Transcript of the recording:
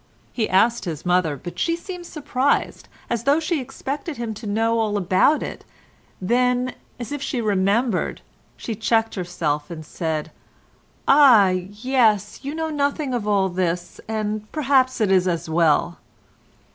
He asked his mother, but she seemed surprised, as though she expected him to know all about it, then, as if she remembered, she checked herself and said, "Ah! yes—you know nothing of all this, and perhaps it is as well."